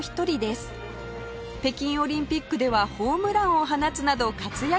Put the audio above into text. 北京オリンピックではホームランを放つなど活躍